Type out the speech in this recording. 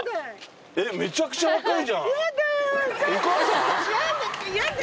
めちゃくちゃ若いじゃん！やだ！